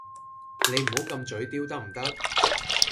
你唔好咁嘴刁得唔得？